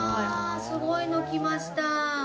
すごいの来ました！